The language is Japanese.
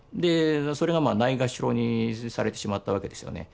それがないがしろにされてしまったわけですよね。